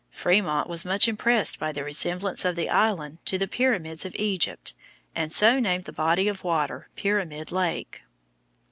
Frémont was much impressed by the resemblance of the island to the pyramids of Egypt and so named the body of water Pyramid Lake.